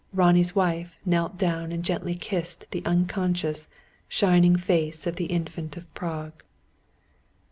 Ronnie's wife knelt down and gently kissed the unconscious, shining face of the Infant of Prague.